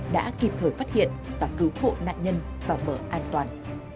đã kịp thời phát hiện và cứu hộ nạn nhân vào mở an toàn